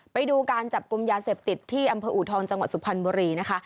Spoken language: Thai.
ไปดูการจับกลุ่มยาเสพติดที่อำเภออูทองจังหวัดสุพรรณบุรีนะคะ